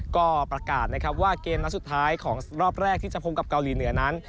ก็ประกาศนะครับว่าเกมนัดสุดท้ายของรอบแรกที่จะพบกับเกาหลีเหนือนั้น